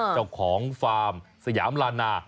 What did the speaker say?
เจ้าของฟาร์มสยามลานา